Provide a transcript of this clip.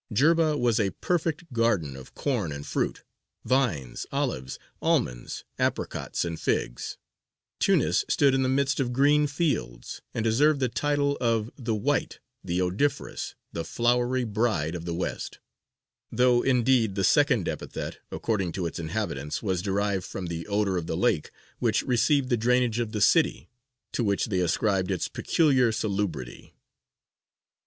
Jerba was a perfect garden of corn and fruit, vines, olives, almonds, apricots, and figs; Tunis stood in the midst of green fields, and deserved the title of "the White, the Odoriferous, the Flowery Bride of the West," though, indeed, the second epithet, according to its inhabitants, was derived from the odour of the lake which received the drainage of the city, to which they ascribed its peculiar salubrity.